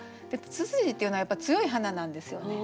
ツツジっていうのは強い花なんですよね。